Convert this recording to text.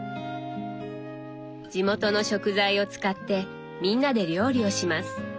地元の食材を使ってみんなで料理をします。